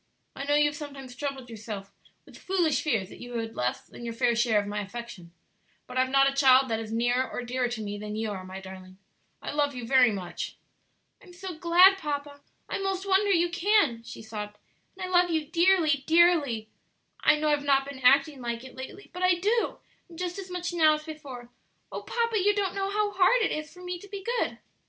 I know you have sometimes troubled yourself with foolish fears that you had less than your fair share of my affection; but I have not a child that is nearer or dearer to me than you are, my darling. I love you very much." "I'm so glad, papa; I 'most wonder you can," she sobbed; "and I love you dearly, dearly; I know I've not been acting like it lately, but I do, and just as much now as before. Oh, papa, you don't know how hard it is for me to be good!"